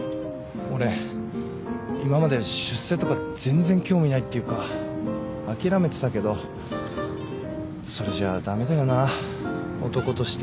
俺今まで出世とか全然興味ないっていうか諦めてたけどそれじゃ駄目だよな男として。